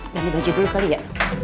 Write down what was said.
nyami baju dulu kali ya